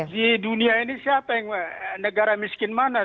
di dunia ini negara miskin mana